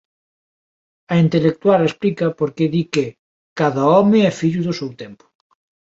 A intelectual explica por que di que "cada home é fillo do seu tempo".